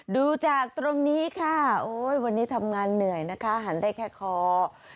ดูจากตรงนี้ค่ะโอ้ยวันนี้ทำงานเหนื่อยนะคะหันได้แค่คอ